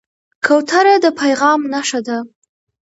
کوتره د پیغام نښه ده.